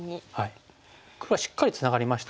黒はしっかりツナがりました。